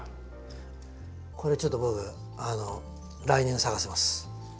これちょっと僕来年咲かせます。